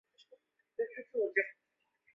斯托克斯位移。